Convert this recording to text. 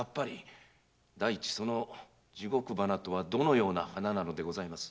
第一その「地獄花」とはどのような花なのでございます？